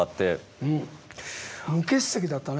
無欠席だったね。